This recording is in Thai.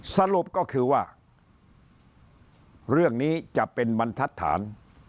สรุปก็คือว่าเรื่องนี้จะเป็นบรรทัศน